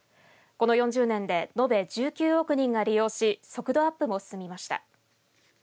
この４０年で延べ１９億人が利用し速度アップも進みました。